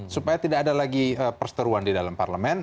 supaya tidak ada lagi perseteruan di dalam parlemen